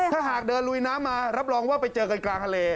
ถ้าหากเดินลุยน้ำมารับรองว่าไปเจอกันกลางทะเล